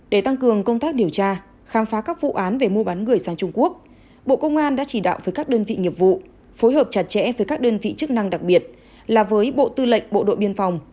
để tăng cường công tác điều tra khám phá các vụ án về mua bán người sang trung quốc bộ công an đã chỉ đạo với các đơn vị nghiệp vụ phối hợp chặt chẽ với các đơn vị chức năng đặc biệt là với bộ tư lệnh bộ đội biên phòng